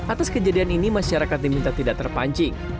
atas kejadian ini masyarakat diminta tidak terpancing